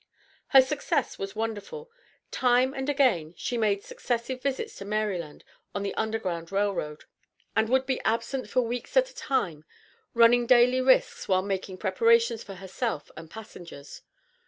Her success was wonderful. Time and again she made successful visits to Maryland on the Underground Rail Road, and would be absent for weeks, at a time, running daily risks while making preparations for herself and passengers.